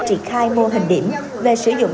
triển khai mô hình điểm về sử dụng